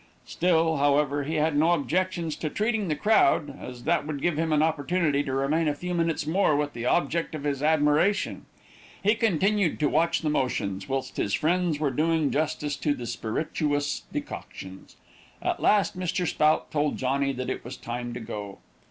Still, however, he had no objections to treating the crowd, as that would give him an opportunity to remain a few minutes more with the object of his admiration. He continued to watch the motions, whilst his friends were doing justice to the spirituous decoctions. At last Mr. Spout told Johnny that it was time to go.